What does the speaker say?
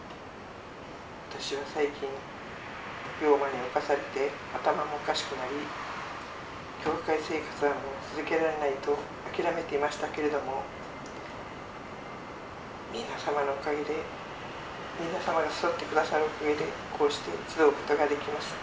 私は最近病魔に侵されて頭もおかしくなり教会生活はもう続けられないと諦めていましたけれども皆様のおかげで皆様が付き添って下さるおかげでこうして集うことができます。